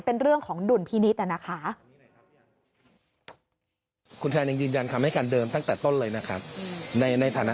เป็นเรื่องของดุลพินิษฐ์นะคะ